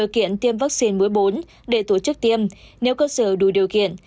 điều kiện tiêm vaccine mũi bốn để tổ chức tiêm nếu cơ sở đủ điều kiện